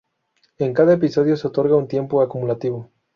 En cada episodio se otorga un tiempo acumulativo.